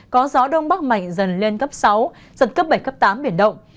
có gió đông bắc mạnh dần lên cấp sáu giật cấp bảy cấp tám biển động